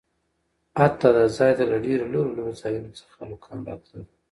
حتا د ځاى ته له ډېرو لرو لرو ځايونه څخه هلکان راتلل.